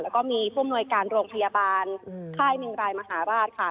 แล้วก็มีผู้อำนวยการโรงพยาบาลค่ายหนึ่งรายมหาราชค่ะ